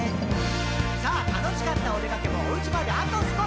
「さぁ楽しかったおでかけもお家まであと少し」